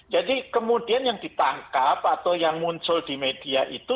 jadi kemudian yang ditangkap atau yang muncul di media itu